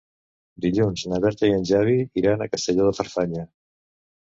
Dilluns na Berta i en Xavi iran a Castelló de Farfanya.